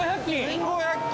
◆１５００斤！